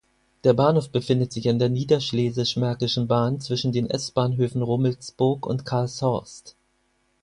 Der Bahnhof befindet sich an der Niederschlesisch-Märkischen Bahn zwischen den S-Bahnhöfen Rummelsburg und Karlshorst.